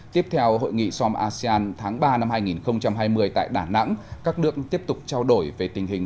tiếp theo hội nghị som asean tháng ba năm hai nghìn hai mươi tại đà nẵng các nước tiếp tục trao đổi về tình hình